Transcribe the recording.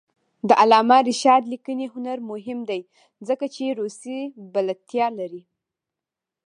د علامه رشاد لیکنی هنر مهم دی ځکه چې روسي بلدتیا لري.